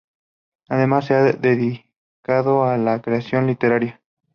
Además, se ha dedicado a la creación literaria.